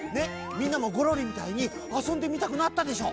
みんなもゴロリみたいにあそんでみたくなったでしょ？